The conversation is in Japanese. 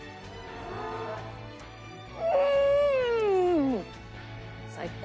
うん！最高。